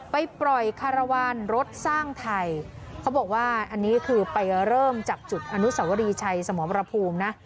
ไปปล่อยคารวาลรถสร้างไทยเขาบอกว่าอันนี้คือไปเริ่มจากจุดอนุสวรีชัยสมรภูมินะ